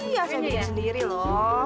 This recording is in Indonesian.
iya saya bikin sendiri lho